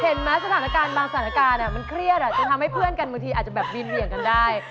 สถานการณ์บางสถานการณ์มันเครียดอาจจะทำให้เพื่อนกันบางทีอาจจะแบบบินเหวี่ยงกันได้